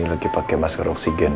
lagi pakai masker oksigen